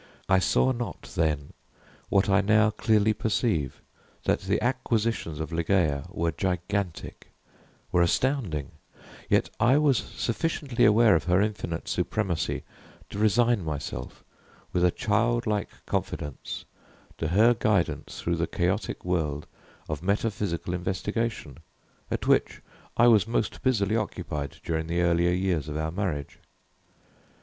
I saw not then what I now clearly perceive that the acquisitions of Ligeia were gigantic, were astounding; yet I was sufficiently aware of her infinite supremacy to resign myself, with a child like confidence, to her guidance through the chaotic world of metaphysical investigation at which I was most busily occupied during the earlier years of our marriage.